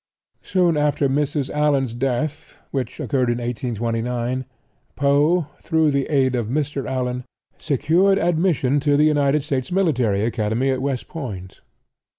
Soon after Mrs. Allan's death, which occurred in 1829, Poe, through the aid of Mr. Allan, secured admission to the United States Military Academy at West Point.